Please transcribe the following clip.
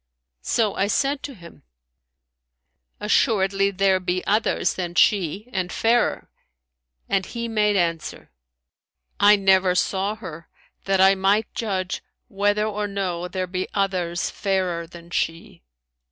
So I said to him, Assuredly there be others than she and fairer;' and he made answer, I never saw her, that I might judge whether or no there be others fairer than she.'